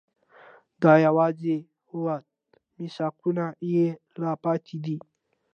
دی یواځي ووت، میثاقونه یې لا پاتې دي